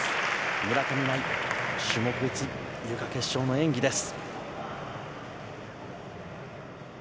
村上茉愛、種目別ゆか決勝の演技です。